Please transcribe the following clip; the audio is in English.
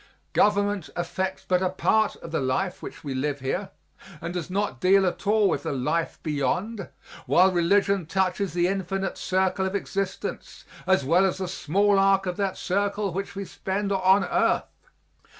Government affects but a part of the life which we live here and does not deal at all with the life beyond, while religion touches the infinite circle of existence as well as the small arc of that circle which we spend on earth.